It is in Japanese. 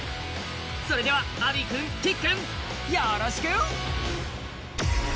それではアビー君、きっくん、よろしく！